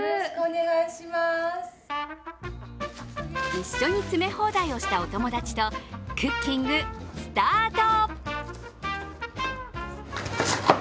一緒に詰め放題をしたお友達とクッキングスタート。